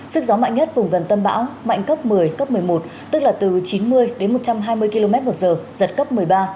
sức gió mạnh nhất vùng gần tâm bão mạnh cấp một mươi cấp một mươi một tức là từ chín mươi đến một trăm hai mươi km một giờ giật cấp một mươi ba